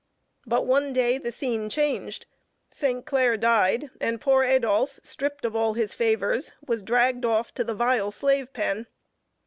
But one day the scene changed. St. Clair died, and poor Adolph, stripped of all his favors, was dragged off to the vile slave pen.